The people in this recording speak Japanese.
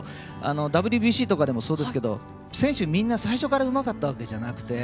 ＷＢＣとかでもそうですが選手みんな、最初からうまかったわけじゃなくて。